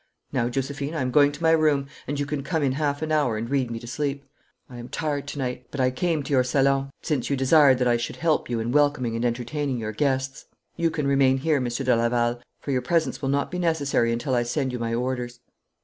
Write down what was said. Now, Josephine, I am going to my room, and you can come in half an hour and read me to sleep. I am tired to night, but I came to your salon, since you desired that I should help you in welcoming and entertaining your guests. You can remain here, Monsieur de Laval, for your presence will not be necessary until I send you my orders.'